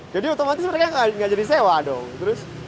jadi otomatis mereka gak jadi sewa dong